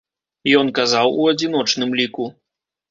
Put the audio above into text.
Ён казаў у адзіночным ліку.